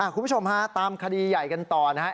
คุณผู้ชมฮะตามคดีใหญ่กันต่อนะครับ